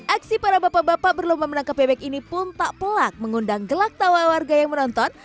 aksi para bapak bapak berlomba menangkap bebek ini pun tak pelak mengundang gelak tawa warga yang menonton